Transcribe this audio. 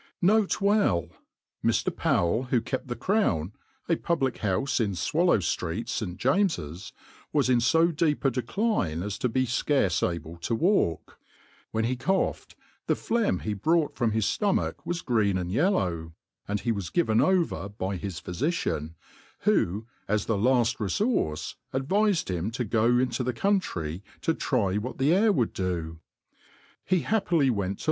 N. B. Mr, PoweJ, who kept the Crown, a public houfe in Swallow ilrect, St. James's, was in fo deep a decline as to be fcarcc able to walk ; whpn he coughed, the phlegm he brought, from his (lom^ch was green 'anq y^llpw ; ana he was given ovpr by his phyficiaot who, as th^ laft refqurce, adv^fed him to go into the country to try what t^e .air would do% Hf^ bapi pily went to.